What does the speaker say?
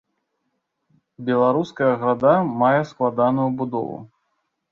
Беларуская града мае складаную будову.